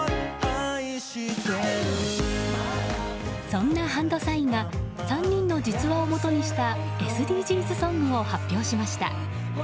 そんなＨＡＮＤＳＩＧＮが３人の実話を基にしたＳＤＧｓソングを発表しました。